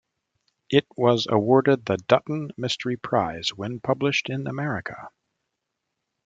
It was awarded the Dutton Mystery Prize when published in America.